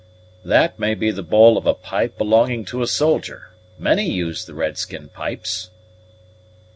"That may be the bowl of a pipe belonging to a soldier. Many use the red skin pipes."